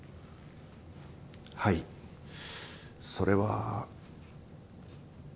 はいそれは。